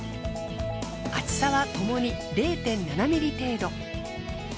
厚さはともに０．７ｍｍ程度。